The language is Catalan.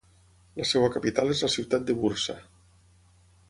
La seva capital és la ciutat de Bursa.